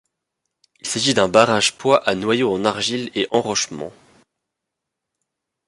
Il s’agit d’un barrage-poids à noyau en argile et enrochements.